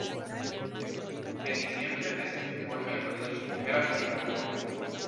En diciembre de ese mismo año realizó su primera visita a Roma.